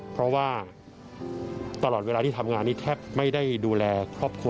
เพราะว่าตลอดเวลาที่ทำงานนี้แทบไม่ได้ดูแลครอบครัว